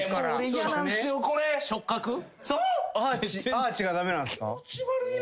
アーチが駄目なんすか？